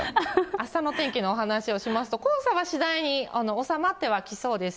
あしたの天気の話をしますと、黄砂は次第に収まってはきそうです。